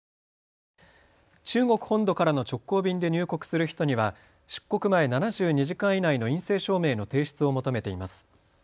中国本土からの直行便で入国する人には出国前７２時間以内の陰性証明の提出を求めています。